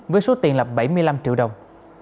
với số tiền lập bảy mươi năm triệu đồng